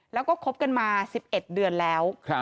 แล้วก็คบกันมา๑๑เดือนแล้ว